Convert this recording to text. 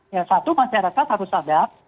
yang satu masyarakat harus sadar